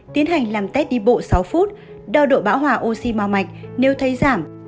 tiến hành làm test đi bộ sáu phút đo độ bão hòa oxy mau mạch nếu thấy giảm